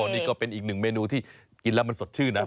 นี่ก็เป็นอีกหนึ่งเมนูที่กินแล้วมันสดชื่นนะ